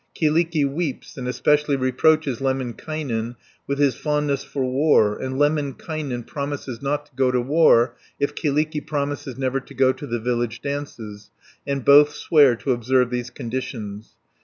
Kyllikki weeps, and especially reproaches Lemminkainen with his fondness for war, and Lemminkainen promises not to go to war if Kyllikki promises never to go to the village dances, and both swear to observe these conditions (223 314).